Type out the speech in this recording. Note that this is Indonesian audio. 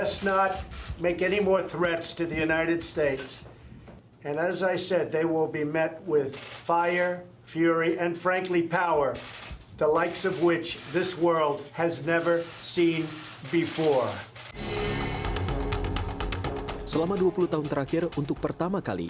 selama dua puluh tahun terakhir untuk pertama kali